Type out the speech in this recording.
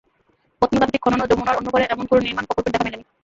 প্রত্নতাত্ত্বিক খননেও যমুনার অন্য পারে এমন কোনো নির্মাণ প্রকল্পের দেখা মেলেনি।